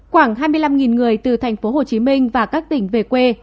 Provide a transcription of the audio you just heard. quảng hai mươi năm người từ thành phố hồ chí minh và các tỉnh về quê